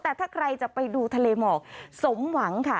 แต่ถ้าใครจะไปดูทะเลหมอกสมหวังค่ะ